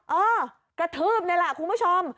เออกระทืบนี่แหละคุณผู้ชม